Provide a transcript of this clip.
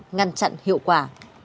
ngăn chặn hiệu quả